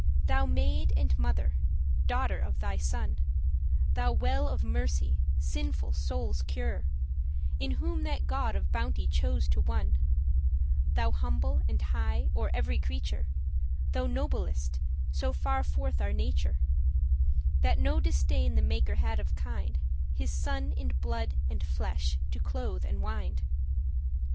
Thou maid and mother, daughter of thy Son, Thou well of mercy, sinful soules' cure, In whom that God of bounte chose to won;* *dwell Thou humble and high o'er every creature, Thou nobilest, *so far forth our nature,* *as far as our nature admits* That no disdain the Maker had of kind,* *nature His Son in blood and flesh to clothe and wind.